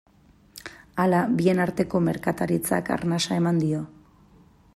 Hala, bien arteko merkataritzak arnasa eman dio.